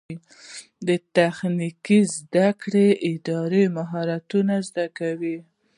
د تخنیکي زده کړو اداره مهارتونه زده کوي